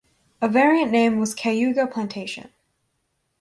A variant name was "Cayuga Plantation".